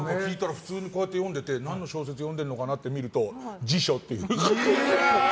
普通にこうやって読んでて何の小説読んでるのかなって見ると辞書っていう。